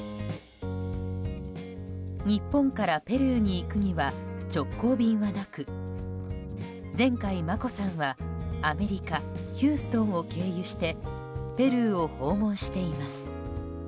日本からペルーに行くには直行便はなく前回、眞子さんはアメリカ・ヒューストンを経由してペルーを訪問しています。